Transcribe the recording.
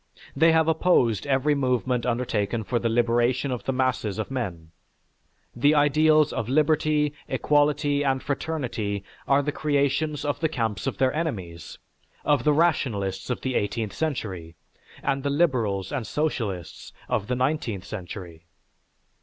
They have opposed every movement undertaken for the liberation of the masses of men; the ideals of liberty, equality and fraternity are the creations of the camps of their enemies, of the rationalists of the eighteenth century, and the liberals and socialists of the nineteenth century.